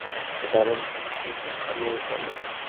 কখনো হয়তো ইংরেজি কোনো শব্দের বানান ভুল করে ফেলত আতর বানু।